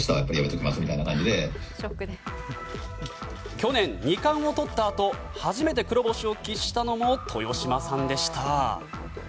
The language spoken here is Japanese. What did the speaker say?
去年、二冠をとったあと初めて黒星を喫したのも豊島さんでした。